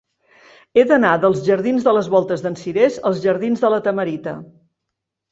He d'anar dels jardins de les Voltes d'en Cirés als jardins de La Tamarita.